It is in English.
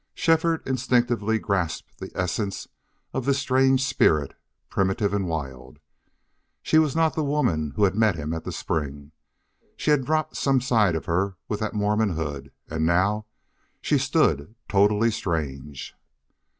Shefford instinctively grasped the essence of this strange spirit, primitive and wild. She was not the woman who had met him at the spring. She had dropped some side of her with that Mormon hood, and now she stood totally strange.